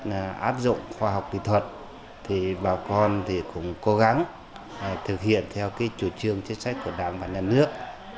để áp dụng khoa học kỹ thuật bà con cũng cố gắng thực hiện theo chủ trương chính sách của đảng và nhà nước